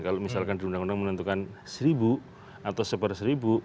kalau misalkan di undang undang menentukan seribu atau seper seribu